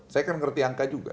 saya kan ngerti angka juga